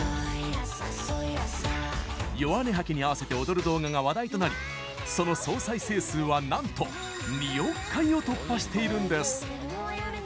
「ヨワネハキ」に合わせて踊る動画が話題となりその総再生数は、なんと２億回を突破しているんです！